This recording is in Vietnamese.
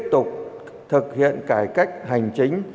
thực hiện cải cách hành chính